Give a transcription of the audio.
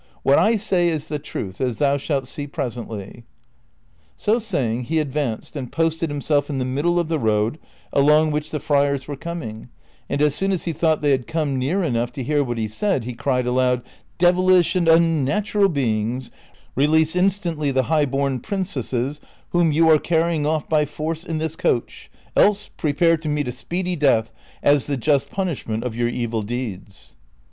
AVhat I say is the truth, as thou shalt see presently." So saying, he advanced and posted himself in the middle of the road along which the friars were coming, and as soon as he thought they had come near enough to hear what he said, he cried aloud, " Devilish and imnatural beings, release instantly the high born princesses whom you are carrying off by force in this coach, else prepare to meet a speedy death as the just punishment of your evil deeds."